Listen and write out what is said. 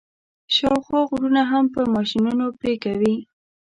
شاوخوا غرونه هم په ماشینونو پرې کوي.